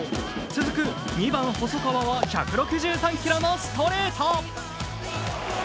続く２番・細川は１６３キロのストレート。